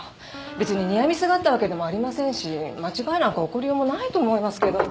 別にニアミスがあったわけでもありませんし間違いなんか起こりようもないと思いますけど。